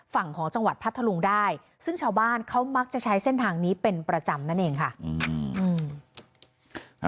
ฝั่งของจังหวัดพัทธลุงได้ซึ่งชาวบ้านเขามักจะใช้เส้นทางนี้เป็นประจำนั่นเองค่ะอืม